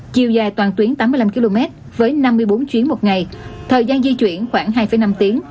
chiều dài toàn tuyến tám mươi năm km với năm mươi bốn chuyến một ngày thời gian di chuyển khoảng hai năm tiếng